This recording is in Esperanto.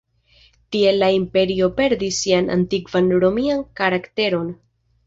Tiel la imperio perdis sian antikvan romian karakteron.